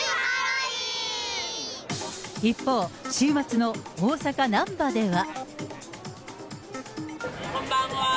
一方、週末の大阪・なんばでは。